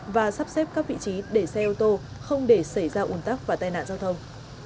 và sắp xếp các vị trí để xe ô tô không để xảy ra ủn tắc và tai nạn giao thông